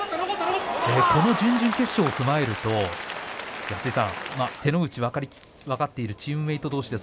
この準々決勝を踏まえると手の内分かり切っているチームメートどうしです。